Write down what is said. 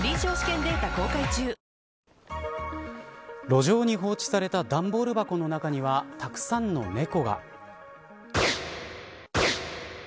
路上に放置された段ボール箱の中にはたくさんの猫が。